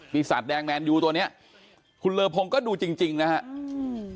มีสัตว์แดงแมนยูตัวเนี้ยคุณเลอพงก็ดูจริงจริงนะฮะอืม